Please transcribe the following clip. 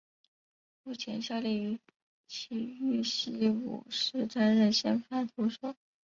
目前效力于崎玉西武狮担任先发投手。